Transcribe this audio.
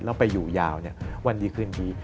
แล้วไปอยู่ยาววันดีคืนดี